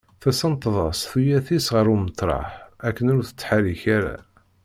Tessenṭeḍ-as tuyat-is ɣer umeṭraḥ akken ur tettḥerrik ara.